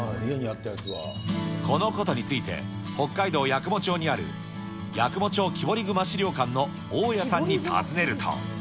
このことについて北海道八雲町にある八雲町木彫り熊資料館の大谷さんに尋ねると。